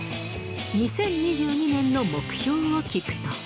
２０２２年の目標を聞くと。